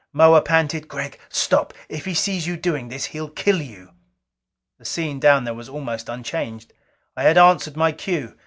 Moa panted, "Gregg stop! If he sees you doing this, he'll kill you." The scene down there was almost unchanged. I had answered my cue.